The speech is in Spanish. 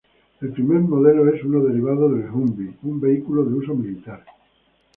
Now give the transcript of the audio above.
El primer modelo es un derivado del Humvee, un vehículo de uso militar.